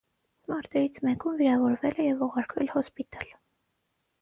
Մարտերից մեկում վիրավորվել է և ուղարկվել հոսպիտալ։